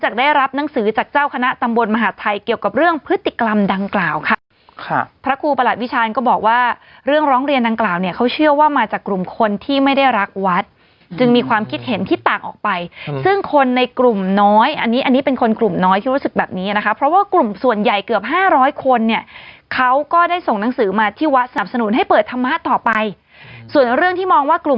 คือติกรรมดังกล่าวค่ะค่ะพระครูประหลัดวิชาญก็บอกว่าเรื่องร้องเรียนดังกล่าวเนี่ยเขาเชื่อว่ามาจากกลุ่มคนที่ไม่ได้รักวัดจึงมีความคิดเห็นที่ต่างออกไปซึ่งคนในกลุ่มน้อยอันนี้อันนี้เป็นคนกลุ่มน้อยที่รู้สึกแบบนี้นะคะเพราะว่ากลุ่มส่วนใหญ่เกือบห้าร้อยคนเนี่ยเขาก็ได้ส่งหนังสือมา